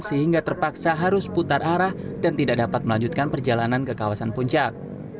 sehingga terpaksa harus putar arah dan tidak dapat melanjutkan perjalanan ke kawasan puncak